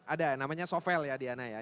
ada namanya sovel ya diana ya